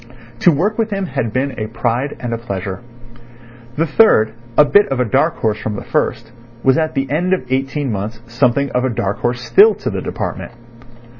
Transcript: To work with him had been a pride and a pleasure. The third, a bit of a dark horse from the first, was at the end of eighteen months something of a dark horse still to the department.